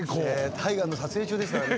大河の撮影中ですからね。